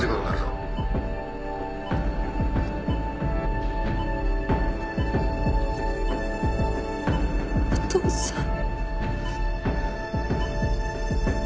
お父さん。